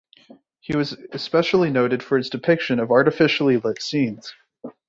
He was especially noted for his depiction of artificially lit scenes.